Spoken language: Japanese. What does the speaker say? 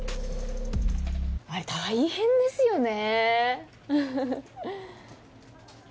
あれ大変ですよねウフフ。